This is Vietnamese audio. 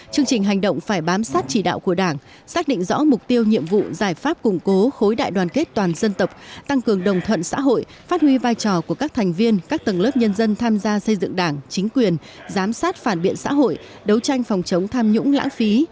chương trình hành động phải bám sát chỉ đạo của đảng xác định rõ mục tiêu nhiệm vụ giải pháp củng cố khối đại đoàn kết toàn dân tộc tăng cường đồng thuận xã hội phát huy vai trò của các thành viên các tầng lớp nhân dân tham gia xây dựng đảng chính quyền giám sát phản biện xã hội đấu tranh phòng chống tham nhũng lãng phí